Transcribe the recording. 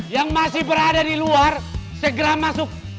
yang masih berada di luar segera masuk